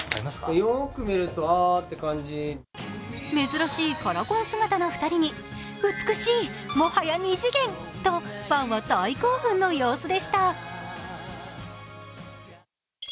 珍しいカラコン姿の２人に美しい、もはや２次元とファンは大興奮の様子でした。